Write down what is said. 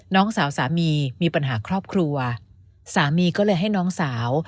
น้องสาวสามีมีปัญหาครอบครัวสามีก็เลยให้น้องสาว